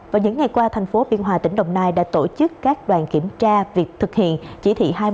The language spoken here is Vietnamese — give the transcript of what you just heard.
vào những ngày qua thành phố biên hòa tỉnh đồng nai đã tổ chức các đoàn kiểm tra việc thực hiện chỉ thị hai mươi